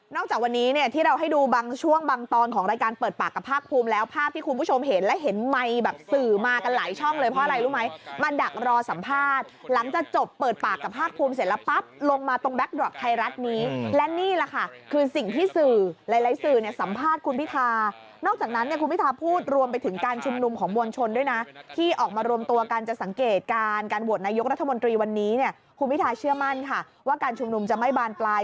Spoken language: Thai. นอกจากวันนี้เนี่ยที่เราให้ดูบางช่วงบางตอนของรายการเปิดปากกับภาคภูมิแล้วภาพที่คุณผู้ชมเห็นและเห็นไมค์แบบสื่อมากันหลายช่องเลยเพราะอะไรรู้ไหมมันดักรอสัมภาษณ์หลังจากจบเปิดปากกับภาคภูมิเสร็จแล้วปั๊บลงมาตรงแบ็คดรอปไทยรัฐนี้และนี่แหละค่ะคือสิ่งที่สื่อหลายสื่อเนี่ยสัมภ